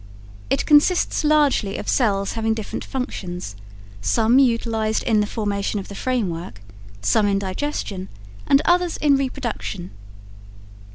It consists largely of cells having different functions; some utilized in the formation of the framework, some in digestion and others in reproduction.